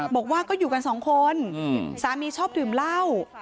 บอกว่าก็อยู่กัน๒คนสามีชอบถึงเล่า